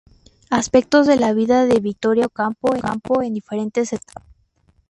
Aspectos de la vida de Victoria Ocampo en diferentes etapas.